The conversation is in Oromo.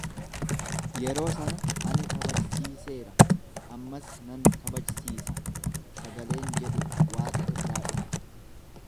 Yeroo sana, Ani kabajsiiseera, ammas nan kabajsiisa sagaleen jedhu waaqa irraa dhufe.